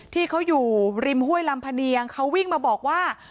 ที่เขาอยู่ริมห้วยลำพะเนียงเขาวิ่งมาบอกว่า